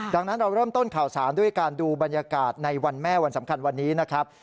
ดังนั้นเราเริ่มต้นข่าวสารด้วยการดูบรรยากาศในวันแม่วันสำคัญวันนี้นะครับ